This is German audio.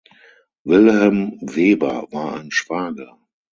Wilhelm Weber war ein Schwager.